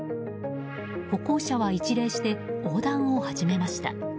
歩行者は一礼して横断を始めました。